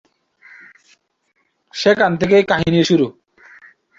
সেখান থেকেই কাহিনীর শুরু।